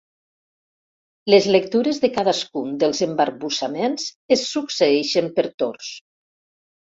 Les lectures de cadascun dels embarbussaments es succeeixen per torns.